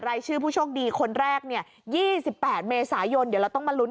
รายชื่อผู้โชคดีคนแรกเนี่ย๒๘เมษายนเดี๋ยวเราต้องมาลุ้น